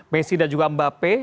messi dan juga mbappe